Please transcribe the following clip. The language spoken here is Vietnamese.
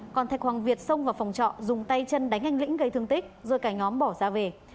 còn thạch hoàng việt xông vào phòng trọ dùng tay chân đánh anh lĩnh gây thương tích rồi cả nhóm bỏ ra về